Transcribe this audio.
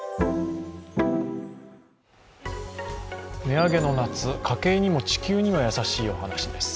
値上げの夏、家計にも地球にも優しいお話です。